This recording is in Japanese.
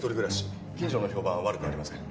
近所の評判は悪くありません。